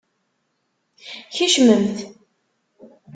Kecmemt!